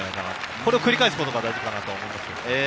これを繰り返すことが大事かなと思います。